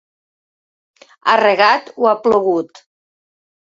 Has regat o ha plogut?